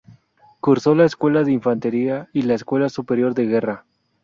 Cursó la Escuela de Infantería y la Escuela Superior de Guerra.